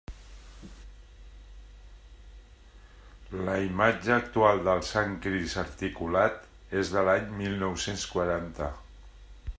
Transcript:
La imatge actual del Sant Crist articulat és de l'any mil nou-cents quaranta.